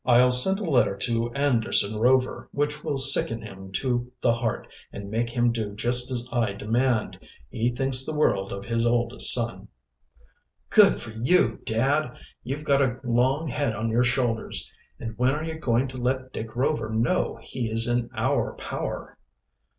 "I'll send a letter to Anderson Rover which will sicken him to the heart and make him do just as I demand. He thinks the world of his oldest son." "Good for you, dad! You've got a long head on your shoulders. And when are you going to let Dick Rover know he is in our power?"